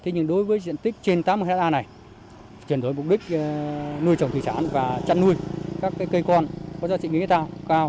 nhưng đối với diện tích trên tám mươi ha này chuyển đổi mục đích nuôi trồng thị trản và chăn nuôi các cây con có giá trị nghiên tạo cao